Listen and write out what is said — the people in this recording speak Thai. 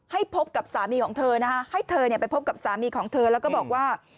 พบกับสามีของเธอนะฮะให้เธอไปพบกับสามีของเธอแล้วก็บอกว่า